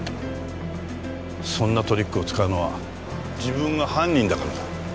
そんなトリックを使うのは自分が犯人だからだ。